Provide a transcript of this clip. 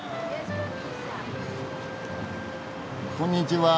こんにちは。